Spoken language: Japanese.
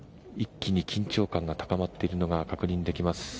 一気に緊張感が高まっているのが確認できます。